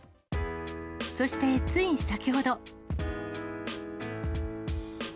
そしてつい先ほど。